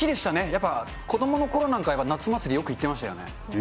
やっぱ子どものころなんかは夏祭り、よく行ってましたよね。